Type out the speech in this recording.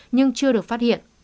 nhưng chưa được phát hiện